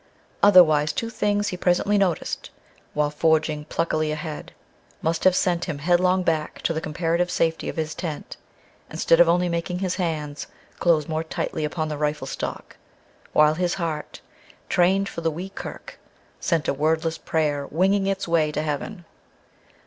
Otherwise, two things he presently noticed, while forging pluckily ahead, must have sent him headlong back to the comparative safety of his tent, instead of only making his hands close more tightly upon the rifle stock, while his heart, trained for the Wee Kirk, sent a wordless prayer winging its way to heaven.